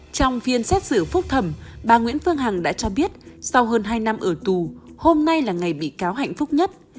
trong phiên xét xử phúc thẩm bà nguyễn phương hằng đã cho biết sau hơn hai năm ở tù hôm nay là ngày bị cáo hạnh phúc nhất